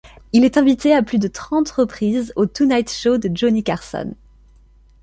Il est invité à plus de trente reprises au Tonight Show de Johnny Carson.